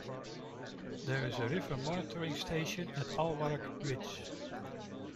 There is a river monitoring station at Aldwark Bridge.